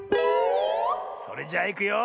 それじゃいくよ。